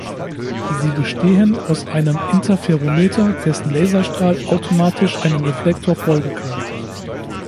Sie bestehen aus einem Interferometer, dessen Laserstrahl automatisch einem Reflektor folgen kann.